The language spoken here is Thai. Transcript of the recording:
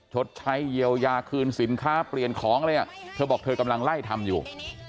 ชดใช้เยียวยาคืนสินค้าเปลี่ยนของอะไรอ่ะเธอบอกเธอกำลังไล่ทำอยู่